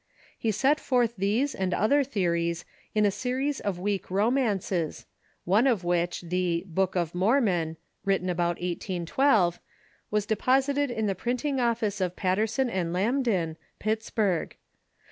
He set forth these and other theories in a series of weak romances, one of which, the "Book of Mormon," written about 1812, was deposited in the printing office of Patterson & Lambdin, Pittsburgh.